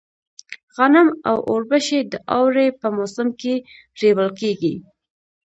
غنم او اوربشې د اوړي په موسم کې رېبل کيږي.